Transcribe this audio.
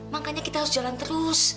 makanya kita harus jalan terus